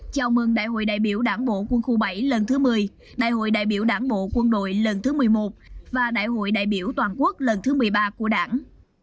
chào mừng đại hội đại biểu đảng bộ quân khu bảy lần thứ một mươi đại hội đại biểu đảng bộ quân đội lần thứ một mươi một và đại hội đại biểu toàn quốc lần thứ một mươi ba của đảng